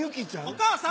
お母さん！